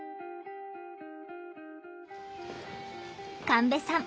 神戸さん